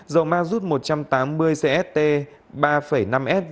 dầu ma rút một trăm tám mươi cst ba năm s